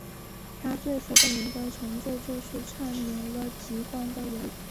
他最负盛名的成就是阐明了极光的原理。